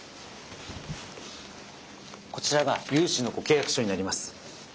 こちらが融資のご契約書になります。